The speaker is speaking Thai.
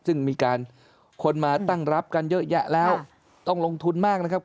ซึ่งมีการคนมาตั้งรับกันเยอะแยะแล้วต้องลงทุนมากนะครับ